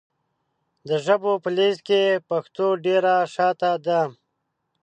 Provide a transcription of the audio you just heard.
د ژبو په لېسټ کې پښتو ډېره شاته ده .